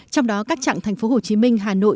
trong đó các trạng tp hcm hà nội